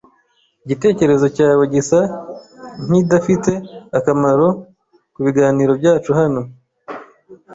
Igitekerezo cyawe gisa nkidafite akamaro kubiganiro byacu hano.